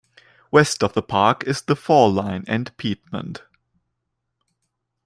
West of the park is the Fall line and Piedmont.